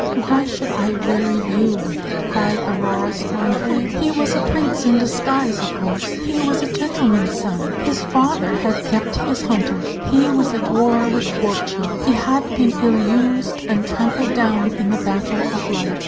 why should I weary you with it?" cried Aurora, scornfully. "He was a prince in disguise, of course; he was a gentleman's son; his father had kept his hunters; he was at war with fortune; he had been ill used and trampled down in the battle of life.